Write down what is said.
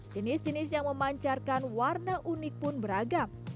jenis jenis yang memancarkan warna unik pun beragam